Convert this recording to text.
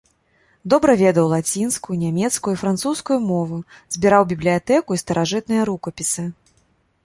Добра ведаў лацінскую, нямецкую і французскую мовы, збіраў бібліятэку і старажытныя рукапісы.